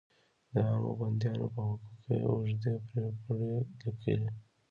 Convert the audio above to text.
د عامو بندیانو په حقوقو یې اوږدې پرپړې لیکلې.